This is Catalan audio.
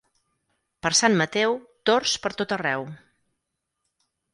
Per Sant Mateu, tords per tot arreu.